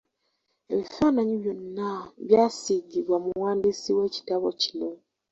Ebifaananyi byonna byasiigibwa muwandiisi w’ekitabo kino.